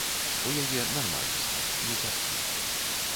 У яе нармальны стан, не цяжкі.